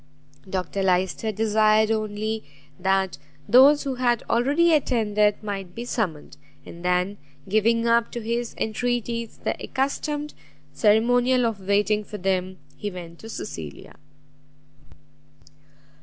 Dr Lyster desired only that those who had already attended might be summoned; and then, giving up to his entreaties the accustomed ceremonial of waiting for them, he went to Cecilia.